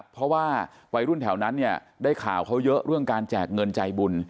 เพราะว่าวัยรุ่นแถวนั้นเนี่ยได้ข่าวเขาเยอะเรื่องการแจกเงินใจบุญ